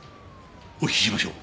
お聞きしましょう。